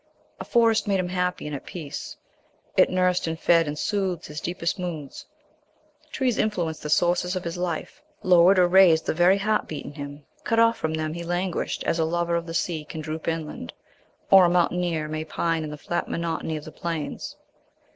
A forest made him happy and at peace; it nursed and fed and soothed his deepest moods. Trees influenced the sources of his life, lowered or raised the very heart beat in him. Cut off from them he languished as a lover of the sea can droop inland, or a mountaineer may pine in the flat monotony of the plains.